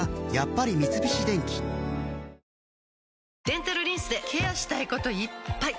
デンタルリンスでケアしたいこといっぱい！